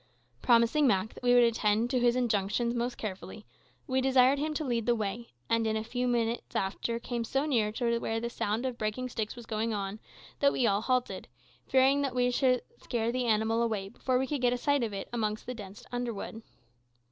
Promising Mak that we would attend to his injunctions most carefully, we desired him to lead the way, and in a few minutes after came so near to where the sound of breaking sticks was going on that we all halted, fearing that we should scare the animal away before we could get a sight of it amongst the dense underwood.